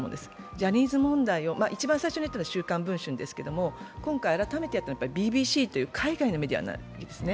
ジャニーズ問題を一番最初に言ったのは「週刊文春」なんですけど、今回改めてＢＢＣという海外のメディアなわけですね。